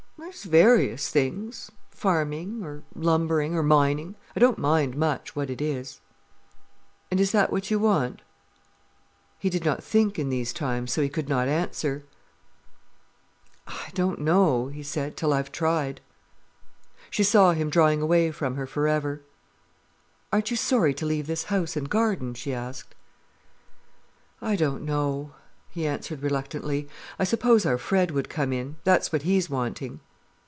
"There's various things—farming or lumbering or mining. I don't mind much what it is." "And is that what you want?" He did not think in these times, so he could not answer. "I don't know," he said, "till I've tried." She saw him drawing away from her for ever. "Aren't you sorry to leave this house and garden?" she asked. "I don't know," he answered reluctantly. "I suppose our Fred would come in—that's what he's wanting."